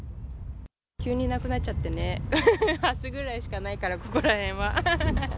急になくなっちゃってね、ハスぐらいしかないから、ここら辺は。